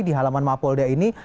di halaman mapolda ini